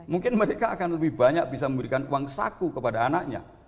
mungkin mereka akan lebih banyak bisa memberikan uang saku kepada anaknya